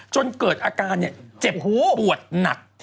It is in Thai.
จนเกิดอาการเจ็บปวดหนัก